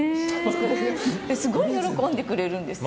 すごい喜んでくれるんですよ。